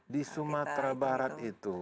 di sumatera barat itu